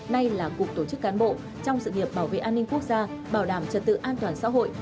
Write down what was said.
nay là cục tổ chức cán bộ trong sự nghiệp bảo vệ an ninh quốc gia bảo đảm trật tự an toàn xã hội